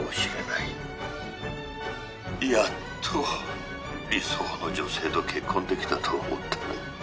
「やっと理想の女性と結婚できたと思ったのに」